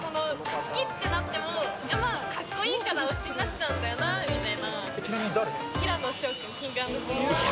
好き！ってなっても格好いいから推しになっちゃうんだよなみたいな。